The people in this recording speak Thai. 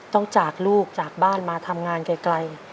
จากลูกจากบ้านมาทำงานไกล